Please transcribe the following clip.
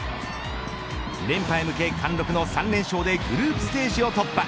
連覇へ向け、貫禄の３連勝でグループステージを突破。